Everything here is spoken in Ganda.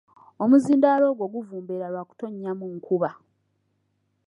Omuzindaalo ogwo guvumbeera lwa kutonnyamu nkuba.